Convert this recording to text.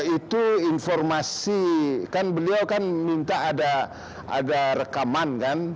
itu informasi kan beliau kan minta ada rekaman kan